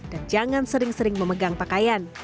dan jangan sering sering memegang pakaian